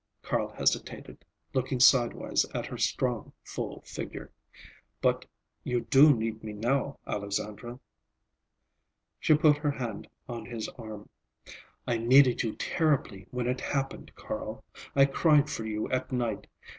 Carl hesitated, looking sidewise at her strong, full figure. "But you do need me now, Alexandra?" She put her hand on his arm. "I needed you terribly when it happened, Carl. I cried for you at night.